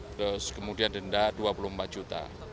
terus kemudian denda dua puluh empat juta